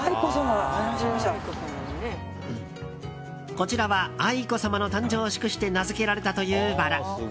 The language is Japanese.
こちらは愛子さまの誕生を祝して名づけられたというバラ。